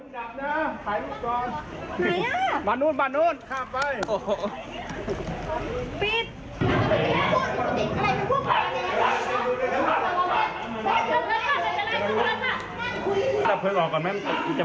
กลับหน้าถ่ายรุ่นก่อนมานู่นมานู่นข้ามไปโอ้โฮ